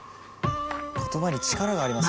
言葉に力があります。